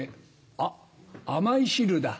あっ甘い汁だ。